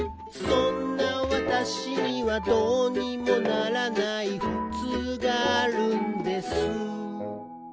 「そんな私には、どうにもならないふつうがあるんです」